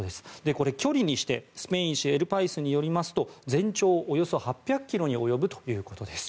これ、距離にしてスペイン紙エル・パイスによりますと全長およそ８００ｋｍに及ぶということです。